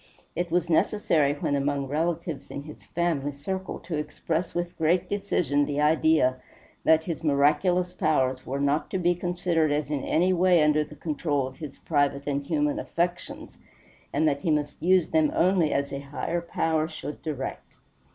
It was necessary when among relatives in his family circle to express with great decision the idea that his miraculous powers were not to be considered as in any way under the control of his private and human affections, and that he must use them only as a Higher Power should direct.